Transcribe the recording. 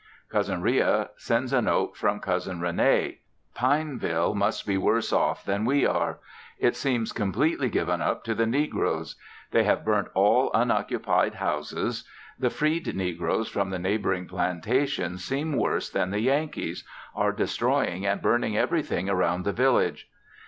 Cousin Ria sends a note from Cousin Rene, Pineville must be worse off than we are. It seems completely given up to the negroes. They have burnt all unoccupied houses. The freed negroes from the neighboring plantations seem worse than the Yankees, are destroying and burning everything around the village.